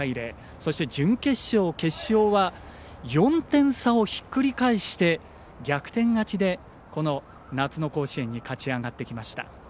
そして、準決勝、決勝は４点差をひっくり返して逆転勝ちで夏の甲子園に勝ち上がってきました。